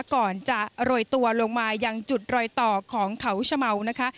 ก่อนจะโรยตัวลงมายังจุดรอยต่อของเขาชะเมานะคะ